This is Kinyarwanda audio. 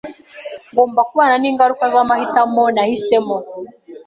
Ngomba kubana ningaruka zamahitamo nahisemo.